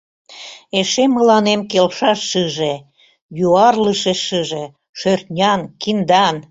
Эше мыланем келша шыже, Юарлыше шыже, шӧртнян, киндан.